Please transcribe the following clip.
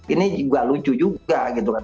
ini juga lucu juga gitu kan